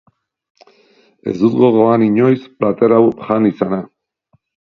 Ez dut gogoan inoiz plater hau jan izana.